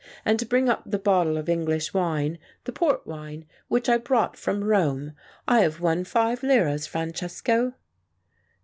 "And bring up the bottle of English wine, the port wine, which I brought from Rome, I have won five liras, Francesco."